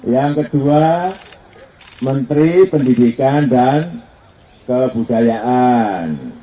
yang kedua menteri pendidikan dan kebudayaan